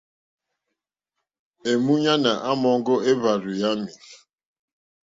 Èmúɲánà àmɔ̀ŋɡɔ́ éhwàrzù yámì.